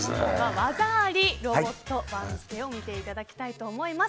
技ありロボット番付をご覧いただきたいと思います。